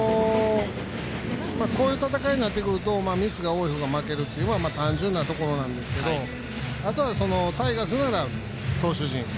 こういう戦いになってくるとミスが多い方が負けるというのは単純なところなんですがあとは、タイガースなら投手陣。